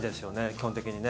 基本的にね。